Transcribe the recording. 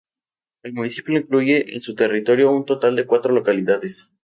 El municipio incluye en su territorio un total de cuatro localidades.